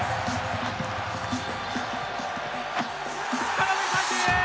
空振り三振！